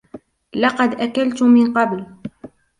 لقد أكلت من قبل.